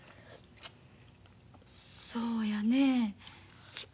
そうやね。